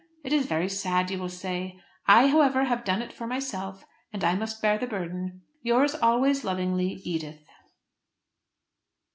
It is very sad, you will say. I, however, have done it for myself and I must bear the burden. Yours always lovingly, EDITH.